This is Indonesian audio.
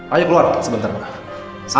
ayo keluar sebentar anda di biasa sih pak